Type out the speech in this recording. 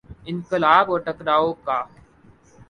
انقلاب اور ٹکراؤ کا۔